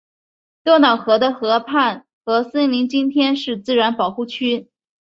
多瑙河的河畔和森林今天是自然保护区。